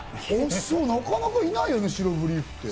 なかなかいないよね、白ブリーフって。